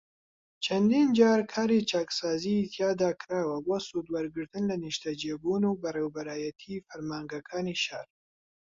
چەندین جار کاری چاکسازیی تیادا کراوە بۆ سوودوەرگرتن لە نیشتەجێبوون و بەڕێوبەرایەتیی فەرمانگەکانی شار